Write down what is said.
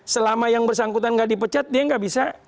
selama yang bersangkutan gak dipecat dia gak bisa keluar